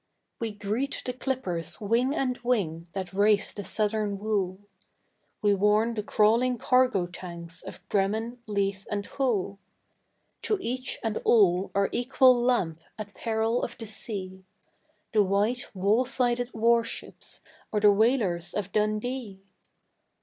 We greet the clippers wing and wing that race the Southern wool; We warn the crawling cargo tanks of Bremen, Leith and Hull; To each and all our equal lamp at peril of the sea The white wall sided warships or the whalers of Dundee!